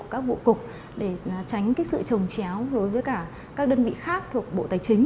các vụ cục để tránh sự trồng chéo với các đơn vị khác thuộc bộ tài chính